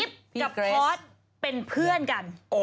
กิ๊บกับพอสเป็นเพื่อนกัน